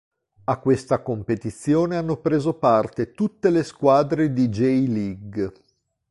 A questa competizione hanno preso parte tutte le squadre di J. League.